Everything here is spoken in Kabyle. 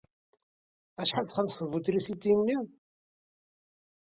Acḥal i txellṣeḍ bu trisiti-nni?